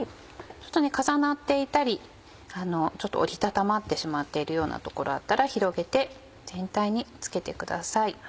重なっていたりちょっと折り畳まってしまっているような所あったら広げて全体に付けてください。